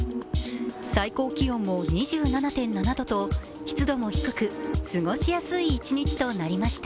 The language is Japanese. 最高気温も２７．７度と湿度も低く、過ごしやすい一日となりました。